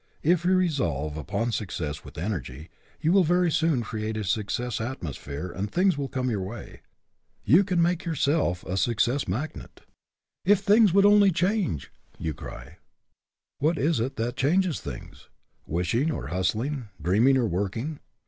If you resolve upon success with energy, you will very soon create a success atmosphere and things will come your way. You can make, yourself a success magnet. 16 HE CAN WHO THINKS HE CAN " If things would only change !" you cry. What is it that changes things? Wishing, or hustling? dreaming, or working?